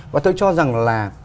và tôi cho rằng là